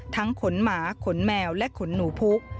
ขนหมาขนแมวและขนหนูพุก